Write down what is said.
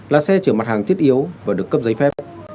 là xe chở mặt hàng thiết yếu và được cấp giấy phép